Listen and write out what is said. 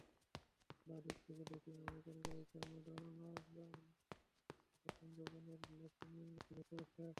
বাঁ দিক থেকে দেখলে আমেরিকান গায়িকা ম্যাডোনার প্রথম যৌবনের লাস্যময়ী মুখটি ভেসে ওঠে।